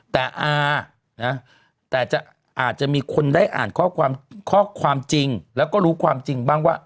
แต่อานะแต่จะอาจจะมีคนได้อ่านข้อความข้อความจริงแล้วก็รู้ความจริงบ้างว่า